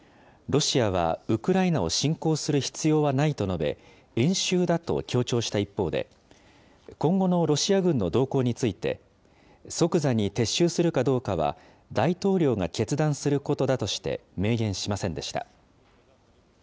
ロシアはウクライナを侵攻する必要はないと述べ、演習だと強調した一方で、今後のロシア軍の動向について、即座に撤収するかどうかは大統領が決断することだとして、明言しませんでした。